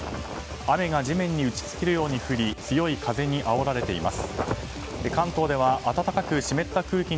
雨が地面に打ち付けるように降り強い風にあおられています。